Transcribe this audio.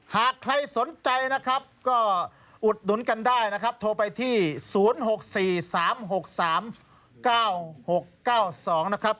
หากใครสนใจนะครับก็อุดหนุนกันได้นะครับโทรไปที่๐๖๔๓๖๓๙๖๙๒นะครับ